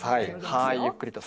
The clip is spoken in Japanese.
はいゆっくりと。